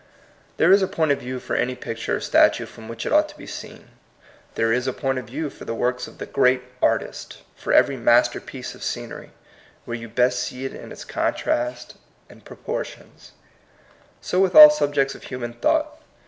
There is a point of view for any pic ture or statue from which it ought to be seen. There is a point of view for the works of the Great Artist, for every master piece of scenery, where you best see it in its contrasts and proportions. So with all subjects of human thought.